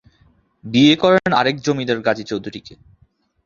বিয়ে করেন আরেক জমিদার গাজী চৌধুরীকে।